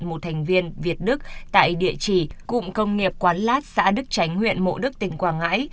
một thành viên việt đức tại địa chỉ cụm công nghiệp quán lát xã đức tránh huyện mộ đức tỉnh quảng ngãi